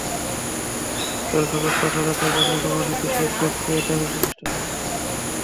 Alphabet পাঁচ হাজার কোটি মূল্যমানের বিশ্বের সবচেয়ে দামি প্রতিষ্ঠানগুলোর মধ্যে অন্যতম।